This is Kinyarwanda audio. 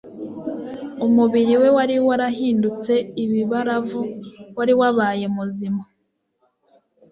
Umubiri we wari warahindutse ibibaravu, wari wabaye muzima,